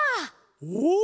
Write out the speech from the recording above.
お！